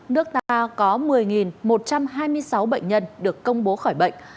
nước ta có một mươi một trăm hai mươi sáu bệnh nhân được công bố khỏi bệnh